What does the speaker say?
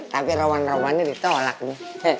tapi rawan rawannya ditolak nih